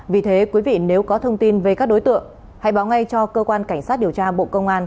vì thế quý vị nếu có thông tin về các đối tượng hãy báo ngay cho cơ quan cảnh sát điều tra bộ công an